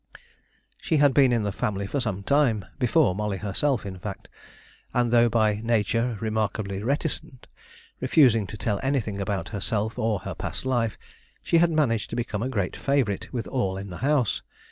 She had been in the family for some time; before Molly herself, in fact; and though by nature remarkably reticent, refusing to tell anything about herself or her past life, she had managed to become a great favorite with all in the house.